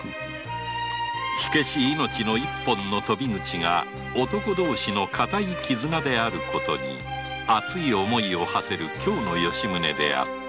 火消し命の一本の鳶口が男同士の固い絆であることに熱い思いを馳せる今日の吉宗であった